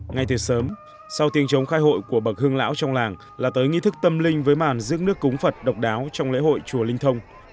ngay từ sớm sau tiếng chống khai hội của bậc hương lão trong làng là tới nghi thức tâm linh với màn giữ nước cúng phật độc đáo trong lễ hội chùa linh thông